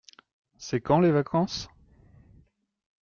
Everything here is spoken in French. C’est quand les vacances ?